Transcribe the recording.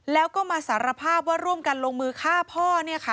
แล้วก็มาสารภาพว่าร่วมกันลงมือฆ่าพ่อเนี่ยค่ะ